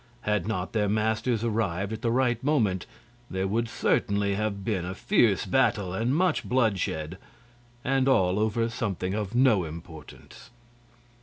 Had not their masters arrived at the right moment there would certainly have been a fierce battle and much bloodshed, and all over something of no importance.